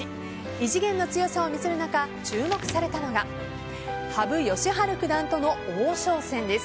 異次元の強さを見せる中注目されたのが羽生善治九段との王将戦です。